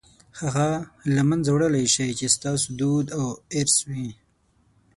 هغه له منځه وړلای شئ چې ستاسو دود او ارث وي.